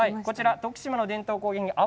徳島の伝統工芸品阿波